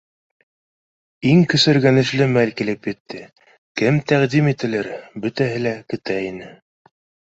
Иң көсөргәнешле мәл килеп етте: кем тәҡдим ителер? Бөтәһе лә көтә ине